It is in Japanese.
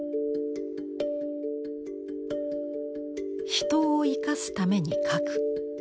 「人を生かすために描く」。